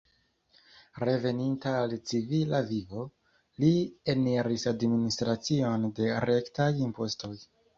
Reveninta al civila vivo, li eniris administracion de rektaj impostoj.